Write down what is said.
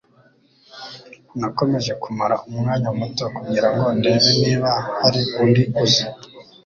Nakomeje kumara umwanya muto kugira ngo ndebe niba hari undi uza.